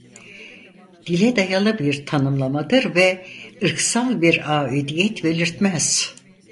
Dile dayalı bir tanımlamadır ve ırksal bir aidiyet belirtmez.